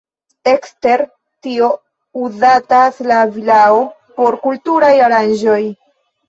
Ekster tio uzatas la vilao por kulturaj aranĝoj.